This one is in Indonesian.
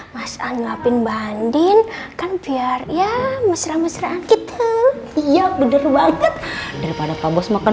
mas al anlapin bandin kan biar ya mesra mesraan gitu iya bener banget daripada pak bos makan